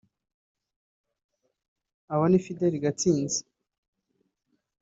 Abo ni Fidel Gatsinzi